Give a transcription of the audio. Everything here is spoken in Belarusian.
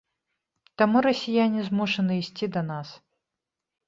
Таму расіяне змушаны ісці да нас.